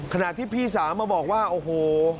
ขณะที่พี่สาวมาบอกว่าโอ้โห